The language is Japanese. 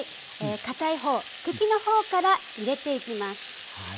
かたい方茎の方から入れていきます。